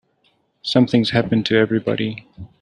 Something's happened to everybody.